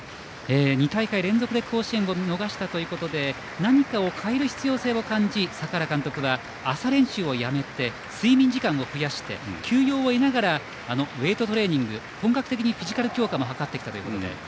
２大会連続で甲子園を逃したということで何かを変える必要性を感じ、坂原監督は朝練習をやめて睡眠時間を増やして休養を得ながらウエイトトレーニング本格的にフィジカル強化も図ってきたということで。